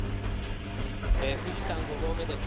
富士山５合目です。